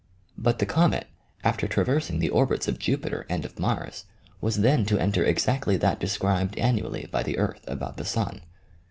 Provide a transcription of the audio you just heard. But the comet, after traversing the orbits of Jupiter and of Mars, was then to enter exactly that described annually by the earth about the sun.